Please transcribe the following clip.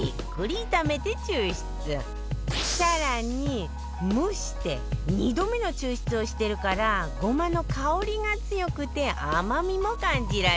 更に蒸して２度目の抽出をしてるからごまの香りが強くて甘みも感じられるんだって